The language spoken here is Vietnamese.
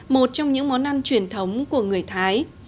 một trong những món ăn truyền thống của người thái